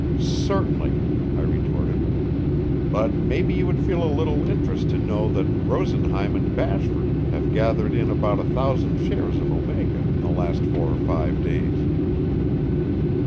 "Certainly," I retorted. "But maybe you would feel a little interest to know that Rosenheim and Bashford have gathered in about a thousand shares of Omega in the last four or five days."